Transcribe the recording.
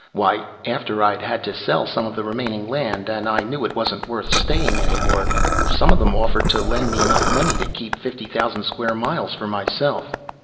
Why, after I'd had to sell some of the remaining land, and I knew it wasn't worth staying, any more, some of them offered to lend me enough money to keep fifty thousand square miles for myself."